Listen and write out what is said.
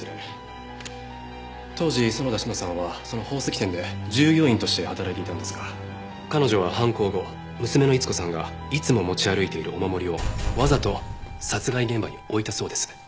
当時園田志乃さんはその宝石店で従業員として働いていたんですが彼女は犯行後娘の逸子さんがいつも持ち歩いているお守りをわざと殺害現場に置いたそうです。